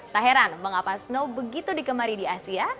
tak heran mengapa snow begitu digemari di asia